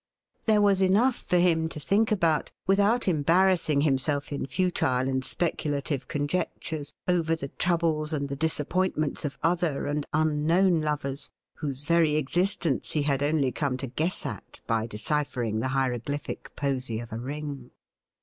There was enough for him to think about without em barrassing himself in futile and speculative conjectures over the troubles and the disappointments of other and unknown lovers whose very existence he had only come to guess at by deciphering the hieroglyphic posy of a ring.